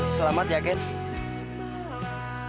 selamat ya candy